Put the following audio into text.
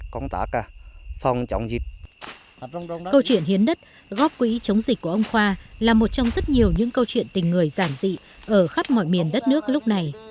câu chuyện hiến đất góp quỹ chống dịch của ông khoa là một trong rất nhiều những câu chuyện tình người giản dị ở khắp mọi miền đất nước lúc này